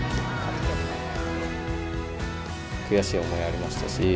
悔しい思いはありましたし